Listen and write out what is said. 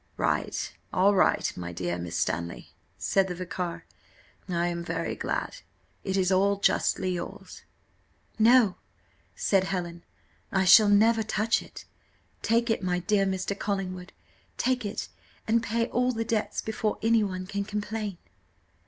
"Right all right, my dear Miss Stanley," said the vicar; "I am very glad it is all justly yours." "No," said Helen, "I shall never touch it: take it, my dear Mr. Collingwood, take it, and pay all the debts before any one can complain."